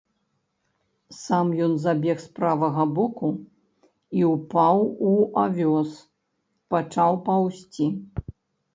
Сам ён забег з правага боку і ўпаў у авёс, пачаў паўзці.